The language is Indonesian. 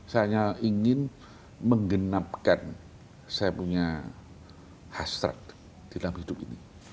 saya hanya ingin menggenapkan saya punya hasrat dalam hidup ini